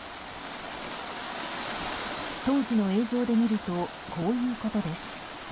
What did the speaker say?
当時の映像で見るとこういうことです。